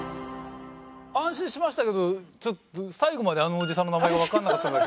安心しましたけどちょっと最後まであのおじさんの名前がわかんなかったので。